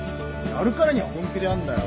やるからには本気でやんだよ。